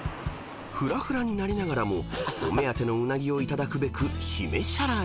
［ふらふらになりながらもお目当てのうなぎを頂くべく］